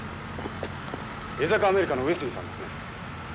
江坂アメリカの上杉さんですね。